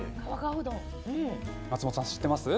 松本さん、知ってますか。